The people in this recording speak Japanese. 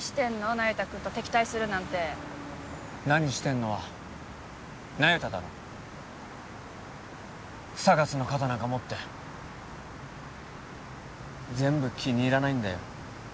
那由他君と敵対するなんて「何してんの？」は那由他だろＳＡＧＡＳの肩なんか持って全部気に入らないんだよ